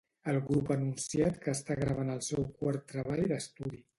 El grup ha anunciat que està gravant el seu quart treball d'estudi.